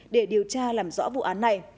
để điều tra làm rõ vụ án này